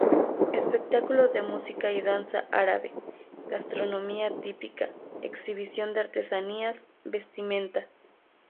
Espectáculos de música y danza árabe, gastronomía típica, exhibición de artesanías, vestimenta.